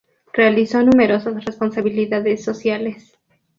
Realizó numerosas responsabilidades sociales.